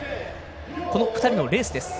この２人のレースです。